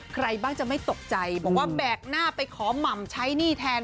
ใครบ้างจะไม่ตกใจบอกว่าแบกหน้าไปขอหม่ำใช้หนี้แทน